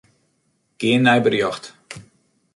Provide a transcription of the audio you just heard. Gean nei berjocht.